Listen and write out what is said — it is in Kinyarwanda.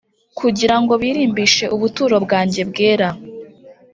kugira ngo birimbishe ubuturo bwanjye bwera